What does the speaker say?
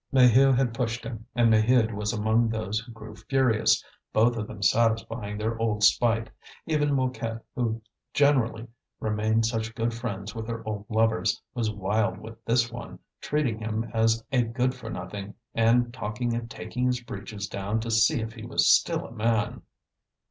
Maheu had pushed him, and Maheude was among those who grew furious, both of them satisfying their old spite; even Mouquette, who generally remained such good friends with her old lovers, was wild with this one, treating him as a good for nothing, and talking of taking his breeches down to see if he was still a man.